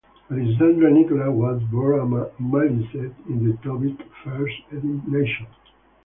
Mary Sandra Nicholas was born a Maliseet in the Tobique First Nation.